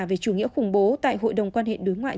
về chủ nghĩa khủng bố tại hội đồng quan hệ đối ngoại